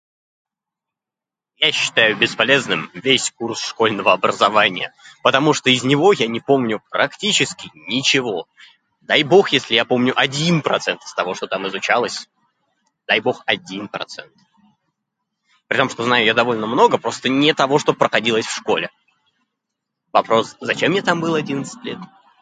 Я считаю бесполезным весь курс школьного образования, потому что из него я не помню практически ничего. Дай бог, если я помню один процент из того, что там изучалось – дай бог один процент... При том, что знаю я довольно много, просто не того, что проходилось в школе. Вопрос: зачем я там был одинадцать лет?